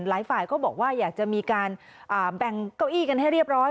หลายฝ่ายก็บอกว่าอยากจะมีการแบ่งเก้าอี้กันให้เรียบร้อย